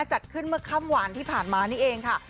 จัดขึ้นเมื่อค่ำหวานที่ผ่านมานี่เองค่ะ